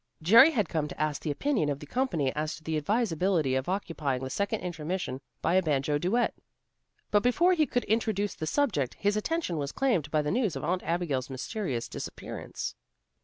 Jerry had come to ask the opinion of the company as to the advisability of occupying the second intermission by a banjo duet. But before he could introduce the subject, his attention was claimed by the news of Aunt Abigail's mysterious disappearance.